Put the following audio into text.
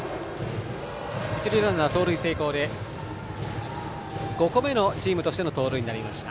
一塁ランナーは盗塁成功で５個目のチームとしての盗塁になりました。